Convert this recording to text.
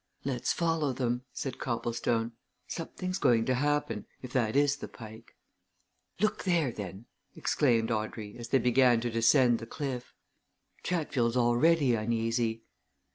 "Let's follow them," said Copplestone. "Something's going to happen if that is the Pike." "Look there, then," exclaimed Audrey as they began to descend the cliff. "Chatfield's already uneasy."